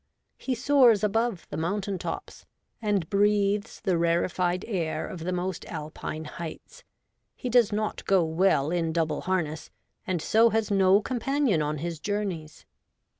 He soars above the mountain tops and breathes the rarefied air of the most Alpine heights. He does not go well in double harness and so has no companion on his journeys.